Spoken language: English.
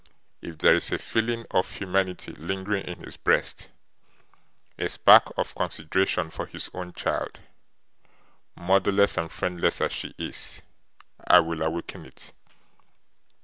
If there is a feeling of humanity lingering in his breast, a spark of consideration for his own child, motherless and friendless as she is, I will awaken it.